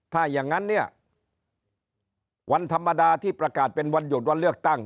ถ้าอย่างนั้นเนี่ยวันธรรมดาที่ประกาศเป็นวันหยุดวันเลือกตั้ง